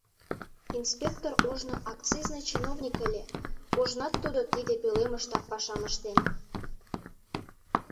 Инспектор ожно акцизный чиновник ыле, ожнат тудо тиде пӧлемыштак пашам ыштен.